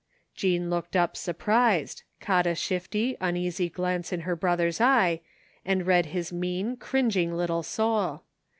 Jean looked up surprised, caught a shifty, uneasy glance in her brother's eye, and read his mean, cring | ing little soul.